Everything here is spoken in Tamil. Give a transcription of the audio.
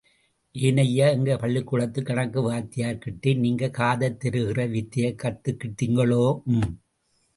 ஏன் ஐயா, எங்க பள்ளிக்கூடத்துக் கணக்கு வாத்தியார்கிட்டே நீங்க காதைத் திருகுற வித்தையைக் கத்துக்கிட்டிங்களோ?... ம்!.